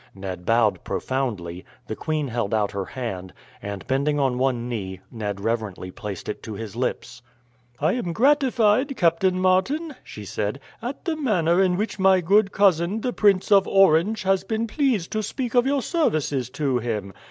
Ned bowed profoundly, the queen held out her hand, and bending on one knee Ned reverently placed it to his lips. "I am gratified, Captain Martin," she said, "at the manner in which my good cousin, the Prince of Orange, has been pleased to speak of your services to him.